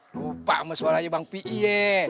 eh lupa sama suaranya bang pi'i ya